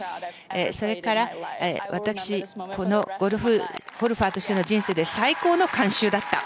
それから、私はこのゴルファーとしての人生で最高の観衆だった。